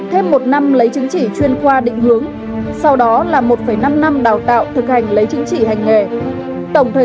thêm một năm lấy chứng chỉ chuyên khoa định hướng sau đó là một năm năm đào tạo thực hành lấy chứng chỉ hành nghề